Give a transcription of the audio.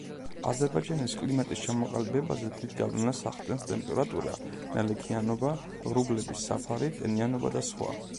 აზერბაიჯანის კლიმატის ჩამოყალიბებაზე დიდ გავლენას ახდენს ტემპერატურა, ნალექიანობა, ღრუბლების საფარი, ტენიანობა და სხვა.